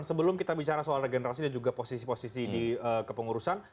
sebelum kita bicara soal regenerasi dan juga posisi posisi di kepengurusan